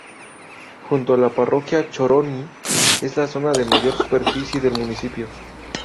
Junto con la parroquia Choroní es la zona de mayor superficie del municipio.